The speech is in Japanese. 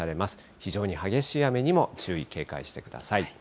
非常に激しい雨にも注意、警戒してください。